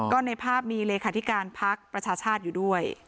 ก็ในภาพมีเลขาธิการพักประชาชาติอยู่ด้วย